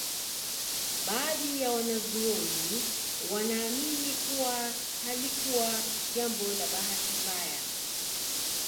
Baadhi ya wanazuoni wanaamini kuwa halikuwa jambo la bahati mbaya